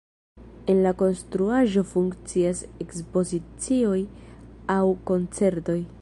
En la konstruaĵo funkcias ekspozicioj aŭ koncertoj.